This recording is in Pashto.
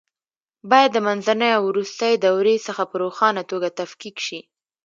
باید د منځنۍ او وروستۍ دورې څخه په روښانه توګه تفکیک شي.